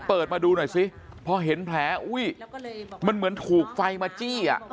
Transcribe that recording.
เปิดมาดูหน่อยสิพอเห็นแผลอุ้ยมันเหมือนถูกไฟมาจี้อ่ะ